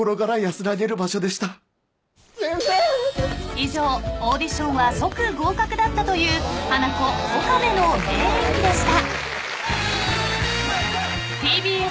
［以上オーディションは即合格だったというハナコ岡部の名演技でした］